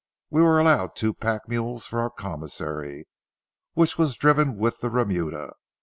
We were allowed two pack mules for our commissary, which was driven with the remuda.